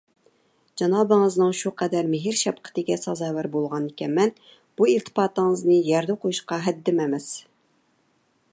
جانابىڭىزنىڭ شۇ قەدەر مېھىر - شەپقىتىگە سازاۋەر بولغانىكەنمەن، بۇ ئىلتىپاتىڭىزنى يەردە قويۇشقا ھەددىم ئەمەس.